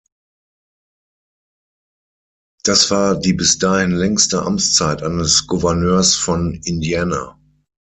Das war die bis dahin längste Amtszeit eines Gouverneurs von Indiana.